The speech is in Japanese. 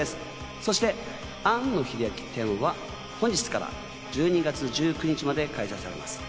そして庵野秀明展は、本日から１２月１９日まで開催されます。